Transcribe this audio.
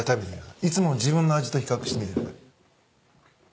いつもの自分の味と比較してみてください。